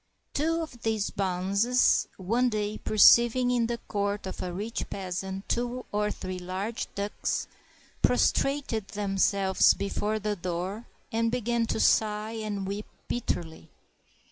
] Two of these bonzes, one day perceiving in the court of a rich peasant two or three large ducks, prostrated them selves before the door and began to sigh and weep bit terly.